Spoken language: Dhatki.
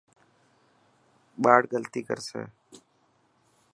ٻاڙ غلطي ڪرسي.